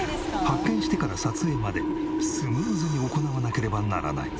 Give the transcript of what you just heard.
発見してから撮影までスムーズに行わなければならない。